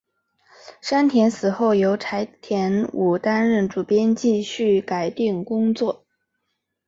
山田死后由柴田武担任主编继续改订工作。